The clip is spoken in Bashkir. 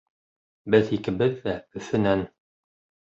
Беҙ икебеҙ ҙә Өфөнән.